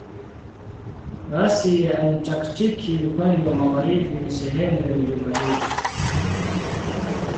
Rasi ya Antaktiki upande wa magharibi si sehemu ya milima hiyo.